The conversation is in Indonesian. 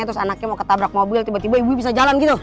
terus anaknya mau ketabrak mobil tiba tiba ibunya bisa jalan gitu